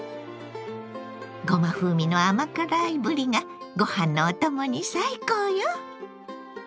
ごま風味の甘辛いぶりがご飯のお供に最高よ！